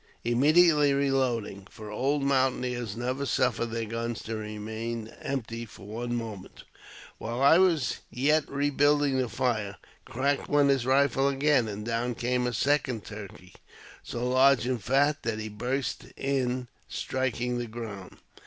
Immediately reloading (for old mountaineers never suffer their guns to remain empty for one moment), while I iwas yet rebuilding the fire, crack went his rifle again, and down came a second turkey, so large and fat that he burst in striking the ground.